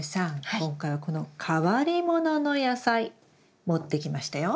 今回はこの変わりものの野菜持ってきましたよ。